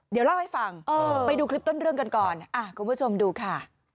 เดี๋ยวเล่าให้ฟังไปดูคลิปต้นเรื่องกันก่อนคุณผู้ชมดูค่ะ